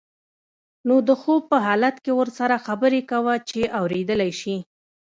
نو د خوب په حالت کې ورسره خبرې کوه چې اوریدلی شي.